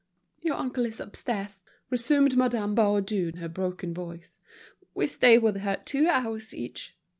"Your uncle is upstairs," resumed Madame Baudu in her broken voice. "We stay with her two hours each.